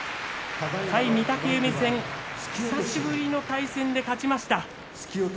対御嶽海戦久しぶりの対戦で勝ちました。